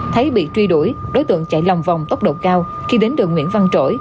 thấy bị truy đuổi đối tượng chạy lòng vòng tốc độ cao khi đến đường nguyễn văn trỗi